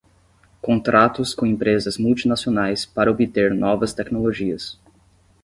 contratos com empresas multinacionais para obter novas tecnologias